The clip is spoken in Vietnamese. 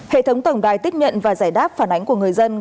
hệ thống tổng đài tiếp nhận và giải đáp phản ánh của người dân